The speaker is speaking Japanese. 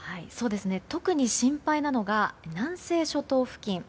特に心配なのが南西諸島付近。